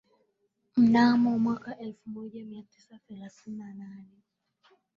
mnamo mwaka elfu moja mia tisa thelathini na nane